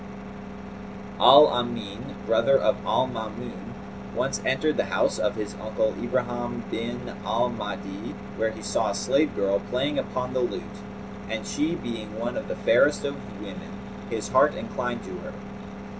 Al Amin,[FN#224] brother of al Maamun, once entered the house of his uncle Ibrahim bin al Mahdi, where he saw a slave girl playing upon the lute; and, she being one of the fairest of women, his heart inclined to her.